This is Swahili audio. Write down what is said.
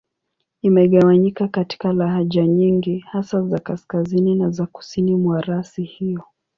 Imegawanyika katika lahaja nyingi, hasa za Kaskazini na za Kusini mwa rasi hiyo.